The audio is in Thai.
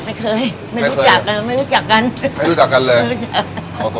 ไม่เคยไม่รู้จักกันไม่รู้จักกันไม่รู้จักกันเลยไม่รู้จัก